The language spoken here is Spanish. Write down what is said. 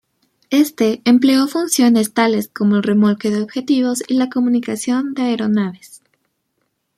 Este empleó funciones tales como el remolque de objetivos y la comunicación de aeronaves.